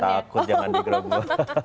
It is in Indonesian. takut jangan digerbek